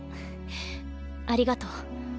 ありがとう。